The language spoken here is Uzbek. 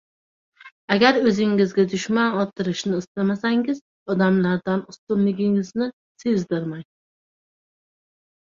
Agar o‘zingizga dushman orttirishni istamasangiz, odamlardan ustunligingizni sezdirmang.